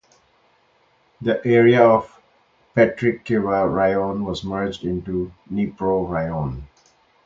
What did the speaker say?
The area of Petrykivka Raion was merged into Dnipro Raion.